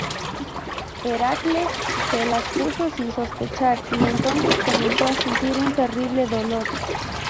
Heracles se las puso sin sospechar y entonces comenzó a sentir un terrible dolor.